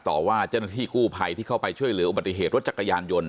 ต่อว่าเจ้าหน้าที่กู้ภัยที่เข้าไปช่วยเหลืออุบัติเหตุรถจักรยานยนต